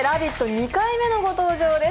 ２回目のご登場です